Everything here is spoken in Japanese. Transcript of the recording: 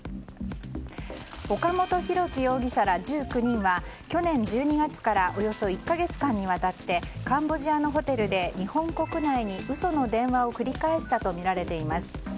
岡本大樹容疑者ら１９人は去年１２月からおよそ１か月間にわたってカンボジアのホテルで日本国内に嘘の電話を繰り返したとみられています。